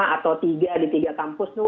lima atau tiga di tiga kampus